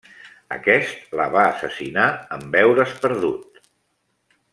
Aquest la va assassinar en veure's perdut.